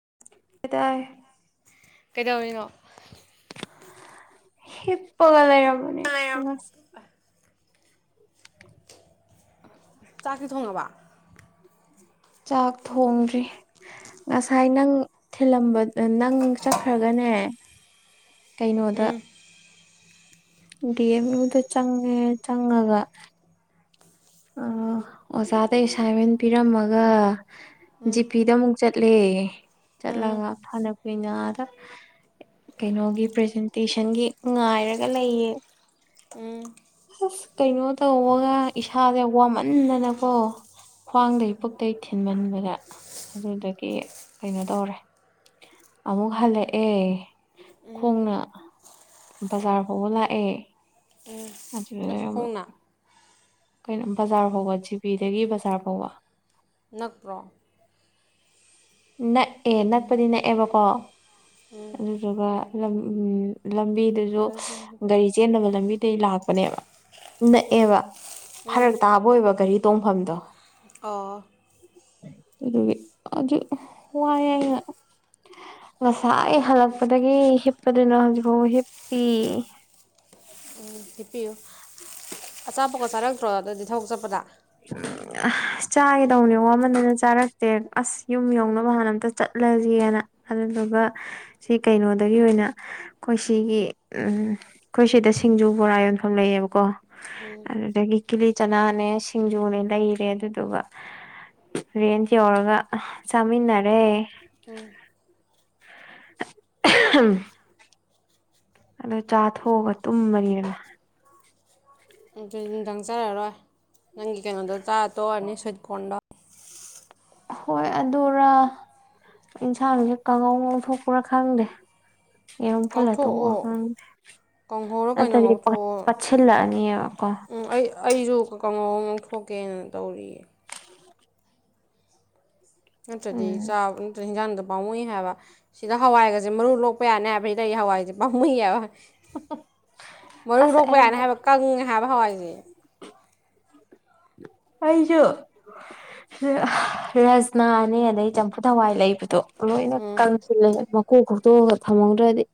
[unintelligible] ꯀꯩꯗꯧꯔꯤꯅꯣ ꯍꯤꯞꯄꯒ ꯂꯩꯔꯝ [unintelligible] ꯆꯥꯛꯇꯤ ꯊꯣꯡꯉꯕ ꯆꯥꯛ ꯊꯣꯡꯗ꯭ꯔꯤ ꯉꯁꯥꯏ ꯅꯪ ꯊꯤꯜꯂꯝꯕ ꯗ ꯅꯪ ꯆꯠꯈ꯭ꯔꯒꯅꯦ ꯀꯩꯅꯣꯗ ꯗꯤ ꯑꯦꯝ ꯌꯨꯗ ꯆꯪꯉꯦ ꯆꯪꯉꯒ ꯑ ꯑꯣꯖꯥꯗ ꯑꯦꯁꯥꯏꯟꯃꯦꯟ ꯄꯤꯔꯝꯃꯒ ꯖꯤ ꯄꯤꯗ ꯑꯃꯨꯛ ꯆꯠ ꯆꯠꯂꯦ ꯆꯠꯂꯒ ꯐꯅ ꯀꯨꯏꯅ ꯑꯥꯗ ꯀꯩꯅꯣꯒꯤ ꯄ꯭ꯔꯖꯦꯟꯇꯦꯁꯟꯒꯤ ꯉꯥꯏꯔꯒ ꯂꯩꯌꯦ ꯎꯝ ꯑꯁ ꯀꯩꯅꯣ ꯇꯧꯕꯒ ꯏꯁꯥ ꯏꯁꯥꯁꯦ ꯋꯥꯃꯟꯗꯅꯀꯣ ꯈ꯭ꯋꯥꯡꯗꯩ ꯄꯨꯛꯇꯩꯩ ꯊꯤꯟꯃꯟꯕꯗ ꯑꯗꯨꯗꯒꯤ ꯀꯩꯅꯣ ꯇꯧꯔꯦ ꯑꯃꯨꯛ ꯍꯜꯂꯛꯑꯦ ꯈꯣꯡꯅ ꯕꯖꯥꯔ ꯐꯥꯎꯕ ꯂꯥꯛ ꯑꯦ ꯃꯆꯨ ꯑꯦ ꯑꯌꯥꯢꯕ ꯈꯣꯡꯅ ꯀꯩꯅꯣ ꯕꯖꯥꯔ ꯐꯥꯎꯕ ꯖꯤꯄꯤꯗꯒꯤ ꯕꯖꯥꯔ ꯐꯥꯎꯕ ꯅꯛꯄ꯭ꯔꯣ ꯅꯛꯑꯦ ꯅꯛꯄꯗꯤ ꯅꯛꯑꯦꯕꯀꯣ ꯑꯗꯨꯗꯨꯒ ꯂꯝ ꯎꯝ ꯂꯝꯕꯤꯗꯨꯁꯨ ꯐꯖꯅꯁꯨ ꯒꯥꯔꯤ ꯆꯦꯟꯗꯕ ꯂꯝꯕꯤ ꯗꯤ ꯂꯥꯛꯄꯅꯦꯕ ꯎꯝ ꯅꯛꯑꯦꯕ ꯎꯝ ꯐꯔꯛ ꯇꯥꯕ ꯑꯣꯏꯕ ꯒꯔꯤ ꯇꯣꯡꯐꯝꯗꯣ ꯑꯣ ꯑꯗꯨꯗꯤ ꯑꯗꯨ ꯋꯥꯏ ꯑꯩꯅ ꯉꯁꯥꯏ ꯍꯜꯂꯛꯄꯗꯒꯤ ꯍꯤꯞꯄꯗꯨꯅ ꯍꯧꯖꯤꯛꯐꯥꯎꯕ ꯍꯤꯞꯄꯤ ꯑ ꯑꯣ ꯍꯤꯄꯤꯌꯨ ꯑꯆꯥꯄꯣꯠꯀ ꯆꯥꯔꯛꯇ꯭ꯔꯣ ꯑꯥꯗꯗꯤ ꯊꯧ ꯆꯠꯄꯗ ꯆꯥꯒꯦ ꯇꯧꯅꯦ ꯋꯥꯃꯟꯗꯅ ꯆꯥꯔꯛꯇꯦ ꯑꯁ ꯌꯨꯝ ꯌꯧꯅꯕ ꯍꯥꯟꯅ ꯑꯝꯇ ꯆꯠꯂꯖꯦꯅ ꯑꯗꯨꯗꯨꯒ ꯁꯤ ꯀꯩꯅꯣꯗꯒꯤ ꯑꯣꯏꯅ ꯑꯩꯈꯣꯏ ꯁꯤꯒꯤ ꯑꯩꯈꯣꯏ ꯁꯤꯗ ꯁꯤꯡꯖꯨ ꯕꯣꯔꯥ ꯌꯣꯟꯐꯝ ꯂꯩꯌꯦꯕꯀꯣ ꯎꯝ ꯑꯗꯨꯗꯒꯤ ꯀꯤꯂꯤ ꯆꯅꯥꯅꯦ ꯁꯤ ꯁꯤꯡꯖꯨꯅꯦ ꯂꯩꯔꯦ ꯑꯗꯨꯗꯨꯒ ꯔꯦꯟꯠ ꯌꯧꯔꯒ ꯆꯥꯃꯤꯟꯅꯔꯦ ꯎꯝ ꯑꯍꯝ ꯑꯗꯨ ꯆꯥꯊꯣꯛꯑꯒ ꯇꯨꯝꯕꯅꯤꯅ ꯑꯗꯨꯗꯤ ꯅꯨꯡꯗꯥꯡ ꯆꯔꯔꯣꯏ ꯅꯪꯒꯤ ꯀꯩꯅꯣꯗꯣ ꯆꯥ ꯇꯣꯑꯅꯤ ꯁ꯭ꯋꯤꯠ ꯀꯣꯟꯗ ꯍꯣꯏ ꯑꯗꯨꯔꯥ ꯏꯟꯁꯥꯡꯁꯦ ꯀꯥꯡꯉꯧ ꯉꯧꯊꯣꯛꯄ꯭ꯔꯥ ꯈꯪꯗꯦ ꯌꯦꯔꯨꯝ ꯐꯨꯜꯂ ꯉꯧꯊꯣꯛꯑꯣ ꯇꯣꯛꯑꯒ ꯀꯥꯡꯍꯧꯔ ꯀꯩꯅꯣ ꯅꯠꯇ꯭ꯔꯗꯤ ꯉꯧꯊꯣꯛꯑꯣ ꯄꯥꯠꯁꯤꯜꯂꯛ ꯑꯅꯤꯑꯕꯀꯣ ꯎꯝ ꯑꯩ ꯑꯩꯁꯨ ꯀꯥꯡꯍꯧ ꯉꯧꯊꯣꯛꯀꯦꯅ ꯇꯧꯔꯤꯌꯦ ꯅꯠꯇ꯭ꯔꯗꯤ ꯎꯝ ꯆꯥ ꯅꯠꯇ꯭ꯔ ꯍꯦꯟꯖꯥꯡꯗꯨ ꯄꯥꯃꯨꯏ ꯍꯥꯏꯕ ꯁꯤꯗ ꯍꯋꯥꯏꯒꯁꯦ ꯃꯔꯨ ꯂꯣꯛꯄ ꯌꯥꯅꯤ ꯍꯥꯏꯕ ꯁꯤꯗ ꯑꯩ ꯍꯋꯥꯏꯁꯦ ꯄꯥꯝꯃꯨꯏ ꯍꯥꯏꯕ ꯃꯔꯨ ꯑꯁ ꯂꯣꯛꯄ ꯑꯩ ꯌꯥꯅꯤ ꯍꯥꯏꯕ ꯀꯪꯉꯦ ꯍꯥꯏꯕ ꯍꯋꯥꯏ ꯑꯝ ꯑꯩꯁꯨ ꯔꯖꯅꯥꯅꯦ ꯑꯗꯩ ꯆꯝꯐꯨꯠ ꯍꯋꯥꯏ ꯂꯩꯕꯗꯣ ꯂꯣꯅ ꯎꯝ ꯀꯪꯁꯤꯜꯂꯦ ꯀꯣꯛ ꯈꯣꯛꯇꯣꯛꯑꯒ ꯊꯝꯍꯧꯗ꯭ꯔꯗꯤ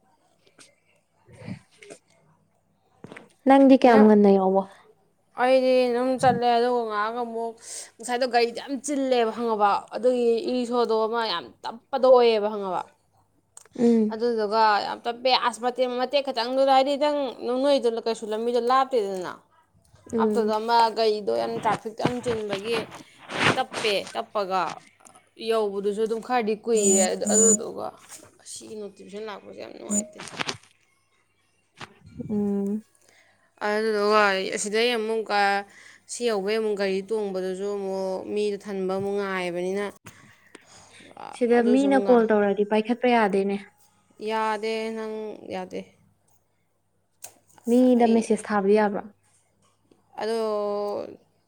ꯅꯪꯗꯤ ꯀꯌꯥꯝ ꯅꯪ ꯉꯟꯅ ꯌꯧꯕ ꯑꯩꯗꯤ ꯗꯨꯝ ꯆꯠꯂꯦ ꯑꯗꯨ ꯇꯣꯡꯉꯛꯑꯒ ꯑꯃꯨꯛ ꯉꯁꯥꯏꯗꯣ ꯒꯥꯔꯤꯗꯣ ꯌꯥꯝ ꯆꯤꯜꯂꯦꯕ ꯈꯪꯉꯕ ꯑꯗꯨꯒꯤ ꯏꯁꯣꯗꯣ ꯑꯃ ꯌꯥꯝ ꯇꯞꯄꯗꯣ ꯑꯣꯏꯌꯦꯕ ꯈꯪꯉꯕ ꯎꯝ ꯑꯗꯨꯗꯨꯒ ꯌꯥꯝ ꯇꯞꯄꯦ ꯑꯁ ꯃꯇꯦꯛ ꯃꯇꯦꯛ ꯈꯛꯇꯪꯗꯨꯗ ꯍꯥꯏꯗꯤ ꯅꯪ ꯅꯣꯏꯗꯨ ꯀꯩꯁꯨ ꯂꯝꯕꯤꯗꯨ ꯂꯥꯞꯇꯦꯗꯅ ꯑꯞꯇꯨꯗ ꯎꯝ ꯑꯃ ꯒꯥꯔꯤꯗꯣ ꯌꯥꯝ ꯇ꯭ꯔꯥꯐꯤꯛꯇꯣ ꯌꯥꯝ ꯆꯤꯟꯕꯒꯤ ꯇꯞꯄꯦ ꯇꯞꯄꯒ ꯌꯧꯕꯗꯨꯁꯨ ꯑꯗꯨꯝ ꯈꯔꯗꯤ ꯀꯨꯏꯔꯦ ꯑꯗꯨꯗꯨꯒ ꯑꯁꯤꯒꯤ ꯅꯣꯇꯤꯚꯦꯁꯟ ꯂꯥꯛꯄꯁꯦ ꯌꯥꯝ ꯅꯨꯡꯉꯥꯏꯇꯦ ꯎꯝ ꯑꯗꯨꯗꯨꯒ ꯁꯤꯗꯩ ꯑꯃꯨꯛꯀ ꯁꯤ ꯌꯧꯕꯩ ꯑꯃꯨꯛ ꯒꯥꯔꯤ ꯇꯣꯡꯕꯗꯨꯁꯨ ꯑꯃꯨꯛ ꯃꯤꯗ ꯊꯟꯕ ꯑꯃꯨꯛ ꯉꯥꯏꯕꯅꯤꯅ ꯑ- ꯁꯤꯗ ꯑꯗꯨꯁꯨ ꯃꯤꯅ ꯑꯃꯨꯛ ꯀꯣꯜ ꯉꯥ- ꯇꯧꯔꯗꯤ ꯄꯥꯏꯈꯠ ꯄ ꯌꯥꯗꯦꯅꯦ ꯌꯥꯗꯦ ꯅꯪ ꯌꯥꯗꯦ ꯃꯤꯗ ꯃꯦꯁꯦꯁ ꯊꯥꯕꯗꯤ ꯌꯥꯕ꯭ꯔꯣ ꯑꯗꯨ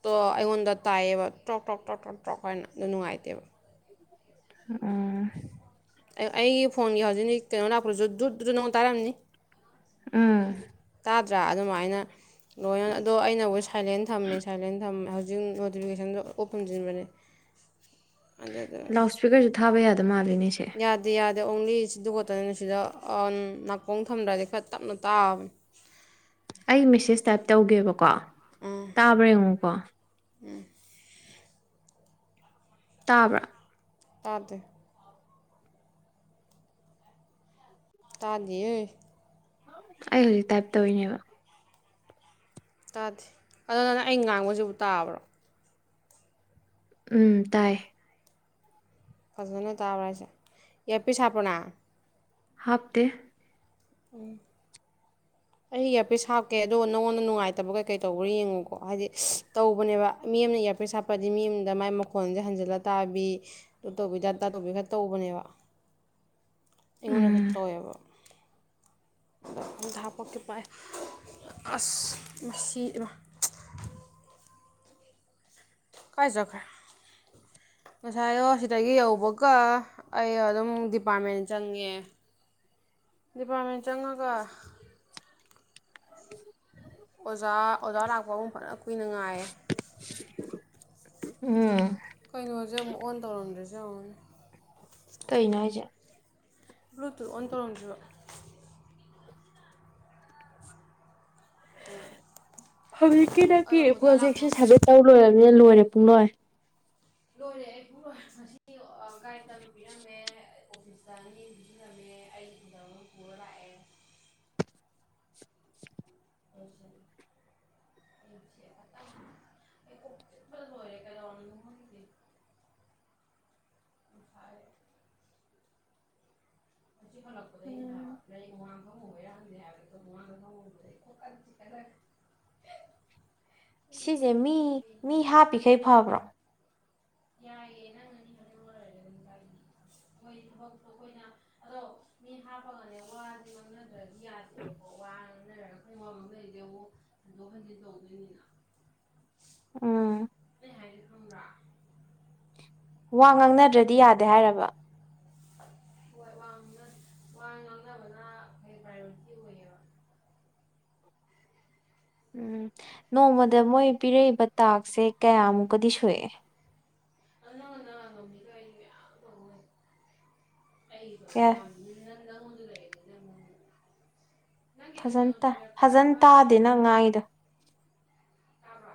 ꯗꯣ ꯑꯩꯉꯣꯟꯗ ꯇꯥꯏꯑꯦꯕ ꯇ꯭ꯔꯣꯛ ꯇ꯭ꯔꯣꯛ ꯇ꯭ꯔꯣꯛ ꯇ꯭ꯔꯣꯛ ꯇ꯭ꯔꯣꯛ ꯍꯥꯏꯅ ꯑꯗꯨ ꯅꯨꯡꯉꯥꯏꯇꯦꯕ ꯑꯥ ꯑꯩꯒꯤ ꯐꯣꯟꯒꯤ ꯍꯧꯖꯤꯛꯅꯤ ꯀꯩꯅꯣ ꯂꯥꯛꯄ꯭ꯗꯨꯁꯨ ꯗꯨꯗꯨꯗ ꯅꯉꯣꯟ ꯇꯥꯔꯝꯅꯤ ꯎꯝ ꯇꯥꯗ꯭ꯔꯥ ꯑꯗꯨꯃꯥꯏꯅ ꯂꯣꯏ ꯑꯗꯣ ꯑꯩꯅꯕꯨ ꯁꯥꯏꯂꯦꯟ ꯊꯝꯃꯦ ꯁꯥꯏꯂꯦꯟ ꯊꯝꯃꯦ ꯍꯧ ꯖꯤꯝꯒꯤ ꯅꯣꯇꯤꯐꯤꯀꯦꯁꯟꯁꯨ ꯑꯣꯄ ꯊꯝꯁꯤꯟꯕꯅꯦ ꯂꯥꯎꯠ ꯁꯄꯤꯀꯔꯁꯨ ꯊꯥꯕ ꯌꯥꯗ ꯗ ꯃꯥꯟ ꯗꯩ ꯅꯤꯁꯦ ꯑꯗꯩ ꯑꯣꯡꯂꯤ ꯁꯤꯗꯨ ꯈꯠꯇꯅꯤꯅ ꯁꯤꯗ ꯅꯥꯀꯣꯡ ꯊꯝꯗ꯭ꯔꯗꯤ ꯈꯔ ꯇꯞꯅ ꯇꯥꯕꯅꯦ ꯑꯩ ꯃꯦꯁꯦꯁ ꯇꯥꯏꯞ ꯇꯧꯒꯦꯕꯀꯣ ꯇꯥꯕ꯭ꯔꯌꯦꯉꯣꯀꯣ ꯇꯥꯕ꯭ꯔꯥ ꯇꯥꯗꯦ ꯇꯥꯗꯤꯌꯦ ꯑꯩ ꯍꯧꯖꯤꯛ ꯇꯥꯏꯞ ꯇꯧꯔꯤꯅꯦꯕ ꯇꯥꯗꯦ ꯑꯗꯨ ꯅꯪ ꯑꯩꯅ ꯉꯥꯡꯕꯁꯤꯕꯨ ꯇꯥꯕ꯭ꯔꯣ ꯎꯝ ꯇꯥꯏ ꯐꯖꯅ ꯇꯥꯕꯔ ꯍꯥꯏꯁꯦ ꯏꯔꯄꯤꯁ ꯍꯥꯞꯄꯔꯣ ꯅꯪ ꯍꯥꯞꯇꯦ ꯎꯝ ꯑꯩ ꯏꯌꯔꯄꯤꯁ ꯍꯥꯞꯀꯦ ꯑꯗꯨꯒ ꯅꯉꯣꯟꯗ ꯅꯨꯡꯉꯥꯏꯇꯕ ꯀꯩꯀꯩ ꯇꯧꯕ꯭ꯔꯥ ꯌꯦꯡꯉꯨꯀꯣ ꯍꯥꯏꯗꯤ ꯇꯧꯕꯅꯦꯕ ꯃꯤ ꯑꯃꯅ ꯏꯌꯥꯔꯄꯤꯁ ꯍꯥꯞꯄꯗꯤ ꯃꯤ ꯑꯃꯗ ꯃꯥꯏ ꯃꯈꯣꯟꯁꯦ ꯍꯟꯖꯤꯜꯂ ꯇꯥꯕꯤ ꯑꯗꯨ ꯇꯩꯕꯤ ꯑꯗꯥ ꯇꯧꯕꯤ ꯈ ꯇꯧꯕꯅꯦꯕ ꯑꯩꯉꯣꯟꯗ ꯈꯔ ꯎꯝ ꯇꯧꯋꯦꯕ ꯑꯝꯇ ꯍꯥꯞꯄꯀꯦ ꯄꯥꯏꯑꯣ ꯑꯁ ꯃꯁꯤ ꯏꯃꯥ ꯀꯥꯏ ꯆꯠꯈ꯭ꯔꯦ ꯉꯁꯥꯏꯗꯣ ꯁꯤꯗꯒꯤ ꯌꯧꯕꯒ ꯑꯩ ꯑꯗꯨꯝ ꯗꯤꯄꯥꯔꯠꯃꯦꯟ ꯆꯪꯉꯦ ꯗꯤꯄꯥꯔꯠꯃꯦꯟ ꯆꯪꯉꯒ [inaudible] ꯑꯣꯖꯥ ꯑꯣꯖꯥ ꯂꯥꯛꯄꯃꯨꯛ ꯐꯖ ꯀꯨꯏꯅꯉꯥꯏ ꯎꯝ ꯀꯩꯅꯣꯁꯦ ꯑꯃꯨꯛ ꯑꯣꯟ ꯇꯧꯔꯝꯗꯔꯤꯁꯦ ꯌꯡꯎꯅꯦ ꯀꯩꯅꯣ ꯍꯥꯏꯖꯦ ꯕ꯭ꯂꯨꯇꯨꯠ ꯑꯣꯟ ꯇꯧꯔꯝꯗ꯭ꯔꯤꯕ ꯍꯧꯖꯤꯛꯀꯤ ꯅꯪꯒꯤ ꯑꯗꯣ ꯑꯣꯖꯥ ꯂꯥꯛꯄ ꯄ꯭ꯔꯣꯖꯦꯛꯁꯦ ꯑꯃꯨꯛ ꯁꯕꯃꯤꯠ ꯇꯧ ꯂꯣꯏꯔ ꯂꯣꯏꯔꯦ ꯄꯨꯡꯂꯣꯏ ꯂꯣꯏꯔꯦ ꯑꯩ ꯄꯨꯡꯂꯣꯏ ꯉꯁꯤ ꯑ [inaudible] ꯑꯣꯐꯤꯁꯇ ꯑꯅꯤ ꯄꯤꯁꯤꯜꯂꯝꯃꯦ ꯑꯩ [inaudible] ꯑꯃ ꯄꯨꯔ ꯂꯥꯛꯑꯦ ꯑꯩ ꯀꯣꯛ ꯆꯤꯛꯄꯗ ꯂꯣꯏꯔꯦ ꯀꯩꯗꯧꯔꯕꯅꯣ ꯈꯪꯗꯦ [inaudible] ꯍꯧꯖꯤꯛ ꯍꯜꯂꯛꯄꯗ ꯑꯩꯅ ꯎꯝ ꯍꯥꯏꯕ [unintelligible] [inaudible] ꯁꯤꯁꯦ ꯃꯤ ꯃꯤ ꯍꯥꯞꯄꯤꯈꯩ ꯐꯕ꯭ꯔꯣ ꯌꯥꯏꯑꯦ ꯅꯪꯅꯗꯤ ꯑꯗꯣ ꯃꯤ ꯍꯥꯞꯄ ꯀꯥꯟꯗ [unintelligible] [inaudible] [unintelligible] ꯍꯟꯗꯣꯛ ꯍꯟꯖꯤꯟ ꯇꯧꯗꯣꯏꯅꯤꯅ ꯑꯥ ꯑꯩ ꯍꯥꯏꯁꯦ ꯈꯪꯕ꯭ꯔꯥ ꯋꯥ ꯉꯥꯡꯅꯗ꯭ꯔꯗꯤ ꯌꯥꯗꯦ ꯍꯥꯏꯔꯕ ꯍꯣꯏ ꯋꯥ ꯉ ꯋꯥ ꯉꯥꯡꯅꯕꯅ ꯑꯦꯟꯅ ꯄ꯭ꯔꯥꯏꯌꯣꯔꯤꯇꯤ ꯑꯣꯏꯌꯦꯕ ꯎꯝ ꯅꯣꯡꯃꯗ ꯃꯣꯏ ꯄꯤꯔꯛꯏꯕ ꯇꯥꯛꯁꯦ ꯀꯌꯥꯃꯨꯛꯀꯗꯤ ꯁꯨꯏ [inaudible] ꯀꯌꯥ [unintelligible] ꯐꯖꯟꯇ ꯐꯖꯟ ꯇꯥꯗꯦ ꯅꯪ ꯉꯥꯡꯏꯗꯣ ꯇꯥꯕꯔꯣ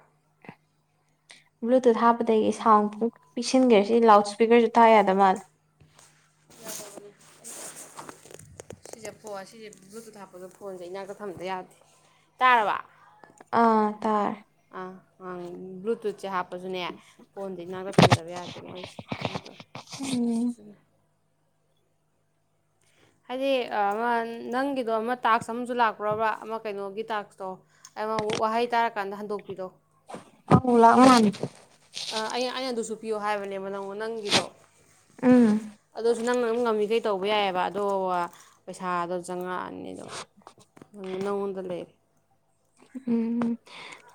ꯕ꯭ꯂꯨꯇꯨꯠ ꯍꯥꯞꯄꯗꯒꯤ ꯁꯥꯎꯟ ꯄꯤꯁꯤꯟꯈꯔꯦ ꯁꯤ ꯂꯥꯎꯠ ꯏꯁꯄꯤꯀꯔꯁꯨ ꯊꯥ ꯌꯥꯗ ꯃꯥꯜꯂꯦ ꯁꯤꯁꯦ [inaudible] ꯁꯤꯁ ꯕꯂꯨ꯭ꯇꯨꯠ ꯍꯥꯞꯄꯗꯣ ꯐꯣꯟꯁꯦ ꯏꯅꯥꯛꯇ ꯊꯝꯗ ꯌꯥꯗꯦ ꯇꯥꯔꯕ ꯑꯥ ꯇꯔꯦ ꯑ ꯑ ꯕꯂꯨ꯭ꯇꯨꯠ ꯁꯦ ꯍꯥꯞ ꯄꯁꯨꯅꯦ ꯐꯣꯟꯗ ꯏꯅꯥꯛꯇ ꯇꯝꯗꯕ ꯌꯥꯗꯦ ꯃꯣꯏꯁꯦ ꯀꯩꯅꯣꯝ ꯇꯧꯋꯤ ꯎꯝ ꯑꯗꯨꯅ ꯍꯥꯏꯗꯤ ꯑꯃ ꯅꯪꯒꯤꯗꯣ ꯑꯃ ꯇꯥꯛꯁ ꯑꯃꯁꯨ ꯂꯥꯛꯄ꯭ꯔꯕ꯭ꯔꯥ ꯑꯃ ꯀꯩꯅꯣꯒꯤ ꯇꯥꯛꯁꯇꯣ ꯑꯩ ꯑꯃ ꯋꯥꯍꯩ ꯇꯥꯔ ꯀꯥꯟꯗ ꯍꯟꯗꯣꯛꯄꯤꯗꯣ ꯑꯧ ꯂꯥꯛ ꯃꯥꯜꯂꯦ ꯑꯩ ꯑꯩꯅ ꯑꯗꯨꯁꯨ ꯄꯤꯌꯣ ꯍꯥꯏꯕꯅꯦꯕ ꯅꯪ ꯅꯪꯒꯤꯗꯣ ꯎꯝ ꯑꯗꯨꯁꯨ ꯅꯪꯅ ꯑꯗꯨꯝ ꯉꯝꯃꯤꯈꯩ ꯇꯧꯕ ꯌꯥꯏ ꯌꯦꯕ ꯑꯗꯣ ꯄꯩꯁꯥꯗꯣ ꯆꯪꯉꯥꯛ ꯑꯅꯤꯗꯣ ꯅꯪꯉꯣꯟꯗ ꯂꯩꯔꯦ ꯎꯝ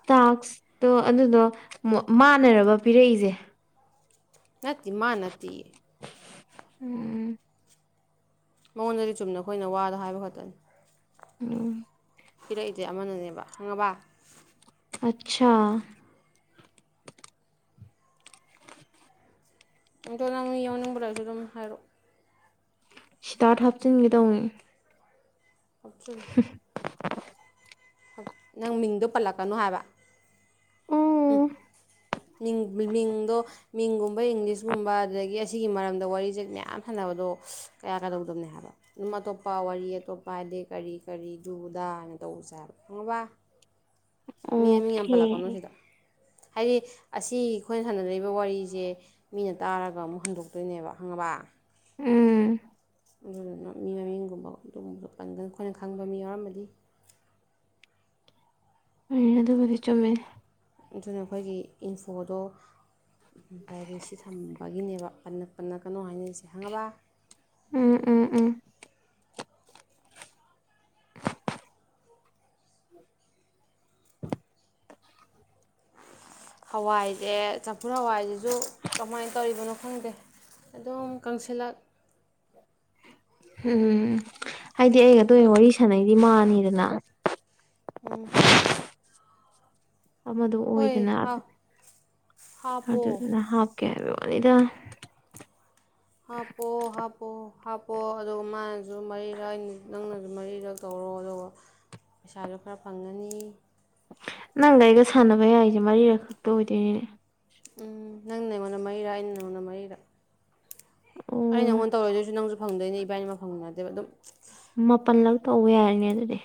ꯇꯥꯛꯁꯇꯣ ꯑꯗꯨꯗꯣ ꯃꯥꯟꯅꯔꯕ ꯄꯤꯔꯛꯏꯁꯦ ꯅꯠꯇꯦ ꯃꯥ ꯅꯠꯇꯦ ꯎꯝ ꯃꯉꯣꯟꯗꯗꯤ ꯆꯨꯝꯅ ꯑꯩꯈꯣꯏꯅ ꯋꯥꯗꯣ ꯍꯥꯏꯕ ꯈꯛꯇꯅꯤ ꯎꯝ ꯄꯤꯔꯛꯏ ꯖꯦ ꯑꯃꯅ ꯅꯦꯕ ꯈꯪꯉꯥꯕ ꯑꯆꯥ ꯑꯗꯣ ꯅꯪ ꯌꯥꯎꯅꯤꯡꯕ ꯂꯩꯔꯁꯨ ꯑꯗꯨꯝ ꯍꯥꯏꯔꯛ ꯑꯣ ꯁꯤꯗ꯭ꯔꯥꯠ ꯍꯥꯞꯆꯤꯟꯒꯦ ꯇꯧꯅꯦ ꯍꯥꯞꯆꯜꯂꯨ ꯅꯪ ꯃꯤꯡꯗꯣ ꯄꯜꯂꯛ ꯀꯅꯣ ꯍꯥꯏꯕ ꯎꯝ ꯑꯣꯀꯦ ꯃꯤ ꯃꯤꯡꯗꯣ ꯃꯤꯡꯒꯨꯝꯕ ꯏꯪꯂꯤꯁꯒꯨꯝꯕ ꯑꯗꯨꯗꯒꯤ ꯑꯁꯤꯒꯤ ꯃꯔꯝꯗ ꯋꯥꯔꯤꯁꯦ ꯃꯌꯥꯝ ꯁꯥꯟꯅꯕꯗꯣ ꯀꯌꯥ ꯀꯗꯧꯗꯕꯅꯦ ꯍꯥꯏꯕ ꯑꯗꯨꯝ ꯑꯇꯣꯞꯄ ꯋꯥꯔꯤ ꯑꯇꯣꯞꯄ ꯍꯥꯏꯗꯤ ꯀꯔꯤ ꯀꯔꯤ ꯗꯨꯗ ꯇꯧꯁꯦ ꯍꯥꯏꯕ ꯈꯪꯉꯕ ꯃꯤ ꯃꯃꯤꯡ ꯌꯥꯝ ꯄꯜ ꯂꯛꯀꯅꯣ ꯁꯤꯗ ꯍꯥꯏꯗꯤ ꯑꯁꯤ ꯑꯩꯈꯣꯏꯅ ꯁꯥꯟꯅꯔꯤꯕ ꯋꯥꯔꯤꯁꯦ ꯃꯤꯅ ꯇꯥꯔꯒ ꯑꯃꯨꯛ ꯍꯟꯗꯣꯛ ꯇꯣꯏꯅꯦꯕ ꯈꯪꯉꯥꯕ ꯎꯝ ꯑꯗꯨꯗꯨꯅ ꯃꯤ ꯃꯃꯤꯡꯒꯨꯝꯕ ꯑꯗꯨꯒꯨꯝꯕ ꯄꯟꯒ ꯑꯩꯈꯣꯏꯅ ꯈꯪꯕ ꯃꯤ ꯌꯥꯎꯔꯝꯃꯗꯤ ꯍꯣꯏ ꯑꯗꯨ ꯕꯨꯗꯤ ꯆꯨꯝꯃꯦ ꯑꯗꯨꯅ ꯑꯩꯈꯣꯏꯒꯤ ꯏꯟꯐꯣꯗꯣ ꯄ꯭ꯔꯥꯏꯚꯦꯁꯤ ꯊꯝꯕꯒꯤ ꯅꯦꯕ ꯄꯟꯅ ꯔꯛꯀꯅꯣ ꯍꯥꯏꯅꯔꯤꯁꯦ ꯈꯪꯉꯕ ꯎꯝ ꯎꯝ ꯎꯝ [inaudible] ꯍꯋꯥꯏꯁꯦ ꯆꯝꯐꯨꯠ ꯍꯋꯥꯏꯁꯤꯁꯨ ꯀꯃꯥꯏꯅ ꯇꯧꯔꯤꯕꯅꯣ ꯈꯪꯗꯦ ꯑꯗꯨꯝ ꯀꯪꯁꯤꯜꯂꯛ ꯎꯝ ꯍꯥꯏꯗꯤ ꯑꯩꯒ ꯇꯣꯏꯅ ꯋꯥꯔꯤ ꯁꯥꯟꯅꯩꯗꯤ ꯃꯥꯅꯤꯗꯅ ꯎꯝ ꯑꯃꯗꯨ ꯍꯣꯏ ꯑꯣꯏꯗꯅ ꯍꯥꯞꯄꯣ ꯑꯗꯨꯗꯨꯅ ꯍꯥꯞꯀꯦ ꯍꯥꯏꯕ [unintelligible] ꯍꯥꯞꯄꯣ ꯍꯥꯞꯄꯣ ꯍꯥꯞꯄꯣ ꯑꯗꯨꯒ ꯃꯥꯅꯁꯨ ꯃꯔꯤꯔꯛ ꯑꯩꯅ ꯅꯪꯅꯁꯨ ꯃꯔꯤꯔꯛ ꯇꯧꯔꯣ ꯑꯗꯨꯒ ꯄꯩꯁꯥꯁꯨ ꯈꯔ ꯐꯪꯉꯅꯤ ꯅꯪꯒ ꯑꯩꯒ ꯁꯥꯟꯅꯕ ꯌꯥꯏꯁꯦ ꯃꯔꯤꯔꯛ ꯈꯛꯇ ꯑꯣꯏꯗꯣꯏꯅꯤꯅꯦ ꯎꯝ ꯅꯪꯅ ꯑꯩꯉꯣꯟꯗ ꯃꯔꯤꯔꯛ ꯑꯩꯅ ꯅꯪꯉꯣꯟꯗ ꯃꯔꯤꯔꯛ ꯑꯣ ꯑꯩꯅ ꯅꯪꯉꯣꯟꯗ ꯇꯧꯔꯛꯏꯗꯨꯁꯨ ꯅꯪꯁꯨ ꯐꯪꯗꯣꯏꯅꯦ ꯏꯕꯥꯟꯅꯤꯃꯛ ꯐꯪꯃꯤꯟꯅ ꯗꯣꯏꯕ ꯑꯗꯨꯝ ꯃꯥꯄꯜꯂꯛ ꯇꯧꯕ ꯌꯥꯏꯅꯦ ꯑꯗꯨꯗꯤ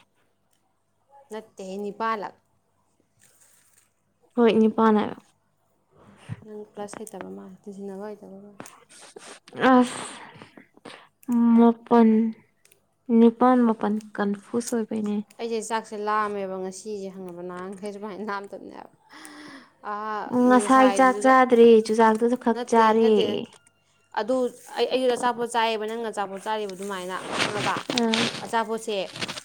ꯅꯠꯇꯦ ꯍꯦ ꯅꯤꯄꯥꯜ ꯂꯛ ꯍꯣꯏ ꯅꯤꯄꯥꯥꯜ ꯍꯥꯏꯕ ꯅꯪ ꯄ꯭ꯂꯁ ꯍꯩꯇꯕ ꯃꯜꯂꯦ ꯇꯤꯟ ꯖꯟꯅꯕ ꯍꯩ ꯑꯁ ꯃꯄꯜ ꯅꯤꯄꯥꯟ ꯃꯄꯜ ꯀꯟꯐꯨꯁ ꯑꯣꯏ ꯑꯩꯖꯦ ꯁꯦ ꯂꯥꯝꯃꯦꯕ ꯉꯁꯤꯁꯦ ꯈꯪꯉꯥꯕ ꯅꯍꯥꯟꯈꯩ ꯁꯨꯃꯥꯏꯅ ꯂꯥꯝꯗꯕꯅꯦ ꯍꯥꯏꯕ ꯑ ꯉꯁꯥꯏ ꯆꯥꯛ ꯉꯁꯥꯏꯗꯨꯁꯨ ꯆꯥꯗ꯭ꯔꯤ ꯆꯨꯖꯥꯛꯇꯨꯁꯨ ꯈꯛ ꯅꯠꯇꯦ ꯅꯠꯇꯦ ꯆꯥꯔꯦ ꯅꯠꯇꯦ ꯑꯗꯨ ꯑꯩ ꯑꯩꯁꯨ ꯑꯆꯥꯄꯣꯠ ꯆꯥꯏ ꯌꯦꯕ ꯅꯪꯅ ꯑꯆꯥꯄꯣꯠ ꯆꯥꯔꯤꯕ ꯑꯗꯨꯃꯥꯏꯅ ꯈꯪꯉꯕ ꯎꯝ ꯑꯆꯥꯄꯣꯠꯁꯦ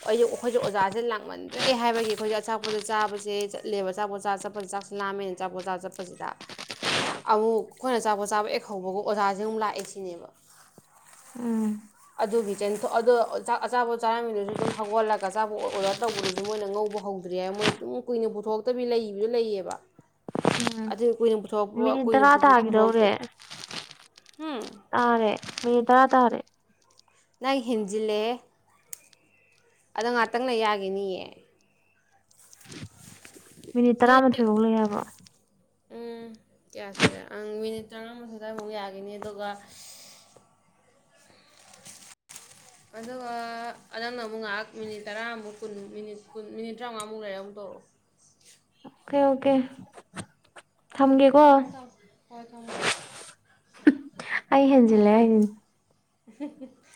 ꯑꯩꯋꯣ ꯑꯩꯈꯣꯏꯁꯦ ꯑꯣꯖꯥꯁꯦ ꯂꯥꯡꯃꯟꯗ꯭ꯔꯦ ꯍꯥꯏꯕꯒꯤ ꯑꯩꯈꯣꯏꯁꯦ ꯑꯆꯥꯥꯄꯣꯁꯦ ꯆꯥꯕꯁꯦ ꯆꯠꯂꯦꯕ ꯑꯆꯥꯄꯣꯠꯆꯥ ꯆꯠꯄꯁꯦ ꯆꯥꯛꯁꯦ ꯂꯥꯝꯃꯦ ꯑꯆꯥꯄꯣꯠꯆꯥ ꯆꯠꯄꯁꯤꯗ ꯑꯃꯨꯛ ꯑꯩꯈꯣꯏꯅ ꯑꯆꯄꯣꯠ ꯆꯥꯕ ꯑꯦꯛ ꯍꯧꯕꯒ ꯑꯣꯖꯥꯁꯦ ꯑꯃꯨꯛ ꯂꯥꯛꯑꯦ ꯁꯤꯅꯦꯕ ꯎꯝ ꯑꯗꯨꯒꯤ ꯆꯦꯟ ꯇꯣ ꯑꯗꯣ ꯆꯥꯛ ꯑꯆꯥꯄꯣꯠ ꯆꯥꯔꯝꯃꯤꯗꯨꯁꯨ ꯑꯗꯨꯝ ꯍꯧꯒꯠꯂꯒ ꯑꯆꯥꯄꯣꯠ ꯑꯣꯔꯗꯔ ꯇꯧꯕꯗꯨꯁꯨ ꯃꯣꯏꯅ ꯉꯧꯕ ꯍꯧꯗ꯭ꯔꯤ ꯍꯥꯏ ꯃꯣꯏꯁꯨ ꯑꯗꯨꯝ ꯀꯨꯏꯅ ꯄꯨꯊꯣꯛꯇꯕꯤ ꯂꯩꯕꯁꯨ ꯂꯩꯌꯦꯕ ꯎꯝ ꯑꯗꯨ ꯀꯨꯏꯅ ꯄꯨꯊꯣꯛꯄ ꯃꯤꯅꯤꯠ ꯀꯨꯏꯅ ꯇꯔꯥ ꯄꯨꯊꯣꯛꯇ ꯇꯥꯈꯤꯗꯧꯔꯦ ꯎꯝ ꯇꯥꯔꯦ ꯃꯤꯅꯤꯠ ꯇꯔꯥ ꯇꯔꯦ ꯅꯪ ꯍꯤꯟꯖꯤꯜꯂꯦ ꯑꯗ ꯉꯍꯥꯛꯇꯪ ꯂꯩꯌꯥꯒꯤꯅꯤꯌꯦ ꯃꯤꯅꯤꯠ ꯁꯤ ꯇꯔꯥꯃꯥꯊꯣꯏꯐꯧ ꯂꯩ ꯍꯥꯏꯕ ꯎꯝ ꯀꯌꯥ ꯁꯨꯔꯦ ꯑꯪ ꯃꯤꯅꯤꯠ ꯇꯔꯥꯃꯊꯣꯢ ꯑꯗꯥꯏꯃꯨꯛ ꯌꯈꯤꯅꯤ ꯑꯗꯨꯒ ꯑꯗꯨꯒ ꯅꯪꯅ ꯑꯃꯨꯛ ꯉꯥꯍꯥꯛ ꯃꯤꯅꯤꯠ ꯇꯔꯥꯃꯨꯛ ꯀꯨꯟ ꯃꯤꯅꯤꯠ ꯃꯤꯅꯤꯠ ꯇ꯭ꯔꯥꯉꯥꯃꯨꯛ ꯂꯩꯔ ꯑꯃꯨꯛ ꯇꯧꯔꯛꯑꯣ ꯑꯣꯀꯦ ꯑꯣꯀꯦ ꯎꯝ ꯊꯝꯒꯦꯀꯣ ꯊꯃꯣ ꯊꯃꯣ ꯍꯋꯥꯏ ꯊꯣꯡꯗꯧ ꯑꯩ ꯍꯦꯟꯖꯤꯜꯂꯦ [inaudible]